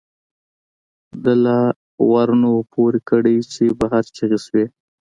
دَ لا ور نه وو پورې کړ، چې بهر چغې شوې